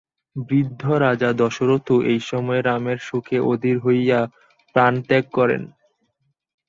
বৃদ্ধ রাজা দশরথও এই সময়ে রামের শোকে অধীর হইয়া প্রাণত্যাগ করেন।